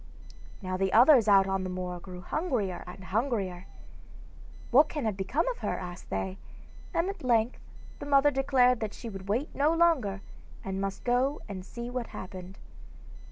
Now the others out on the moor grew hungrier and hungrier. 'What can have become of her?' asked they, and at length the mother declared that she would wait no longer, and must go and see what had happened.